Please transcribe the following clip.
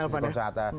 iya masih cukup semangat